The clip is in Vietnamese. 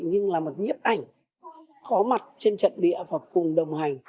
nhưng là một nhiếp ảnh khó mặt trên trận địa hoặc cùng đồng hành